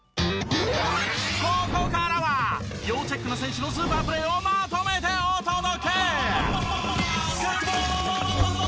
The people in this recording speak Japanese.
ここからは要チェックな選手のスーパープレーをまとめてお届け！